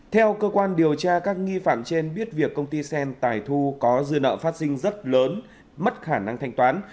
theo cơ quan điều tra các nghi phạm trên biết việc công ty sen tài thu có dư nợ phát sinh rất lớn mất khả năng thanh toán